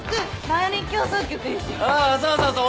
ああそうそうそう。